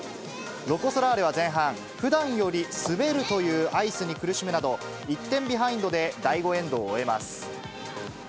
ロコ・ソラーレは前半、ふだんより滑るというアイスに苦しむなど、１点ビハインドで第５エンドを終えます。